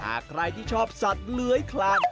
หากใครที่ชอบสัตว์เลื้อยคลาน